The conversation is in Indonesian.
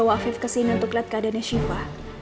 dan bawa afif kesini untuk lihat keadaan siva